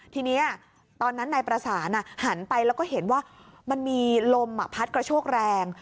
ทีนี้ตอนนั้นนายประสานหันไปแล้วก็เห็นว่ามันมีลมพัดกระโชกแรง